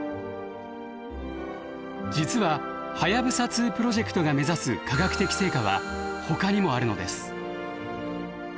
実ははやぶさ２プロジェクトが目指す科学的成果はほかにもあるのです。